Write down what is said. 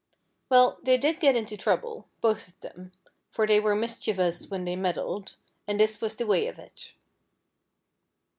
Well, they did get into trouble, both of them, for they were mischievous when they meddled, and this was the way of it.